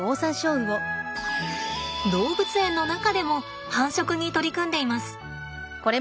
動物園の中でも繁殖に取り組んでいます。